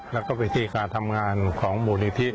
แล้วก็วิธีการทำงานของมูลนิธิ